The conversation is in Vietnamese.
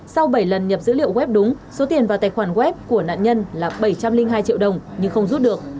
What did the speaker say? sau bảy lần nhập dữ liệu web đúng số tiền vào tài khoản web của nạn nhân là bảy trăm linh hai triệu đồng nhưng không rút được